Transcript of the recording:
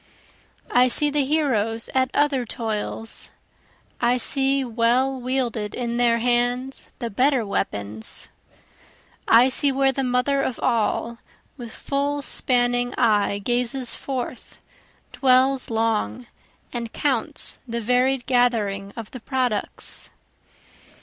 I see the heroes at other toils, I see well wielded in their hands the better weapons. I see where the Mother of All, With full spanning eye gazes forth, dwells long, And counts the varied gathering of the products.